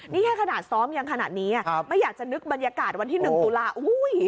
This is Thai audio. นี่แค่ขนาดซ้อมยังขนาดนี้ไม่อยากจะนึกบรรยากาศวันที่๑ตุลา